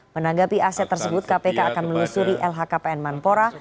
menanggapi aset tersebut kpk akan melusuri lhkpn menpora